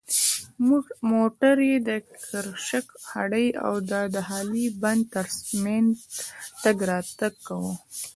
موټر یې د کرشک هډې او د هالې بند تر منځ تګ راتګ کاوه.